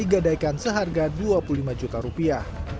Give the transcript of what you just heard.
r y menggodaikan seharga dua puluh lima juta rupiah